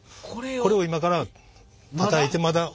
これを今からたたいてまだ。